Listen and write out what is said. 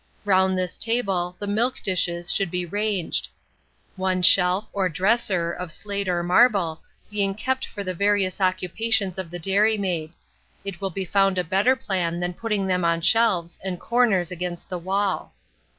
Round this table the milk dishes should be ranged; one shelf, or dresser, of slate or marble, being kept for the various occupations of the dairy maid: it will be found a better plan than putting them on shelves and corners against the wall.